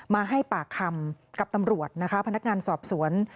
มาให้ปากคำกับตำรวจนะคะพนักงานสอบสวน